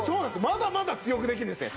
まだまだ強くできるんですね。